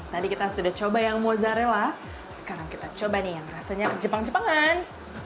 tadi kita sudah coba yang mozzarella sekarang kita coba nih yang rasanya jepang jepangan